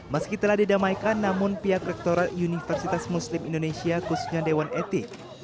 meski telah didamaikan namun pihak rektorat universitas muslim indonesia khususnya dewan etik